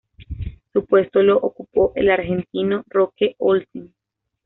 Su puesto lo ocupó el argentino Roque Olsen.